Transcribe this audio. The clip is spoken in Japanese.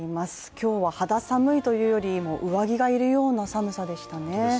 今日は肌寒いというより上着がいるような寒さでしたね。